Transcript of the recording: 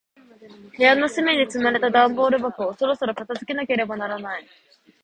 部屋の隅に積まれた段ボール箱を、そろそろ片付けなければならない。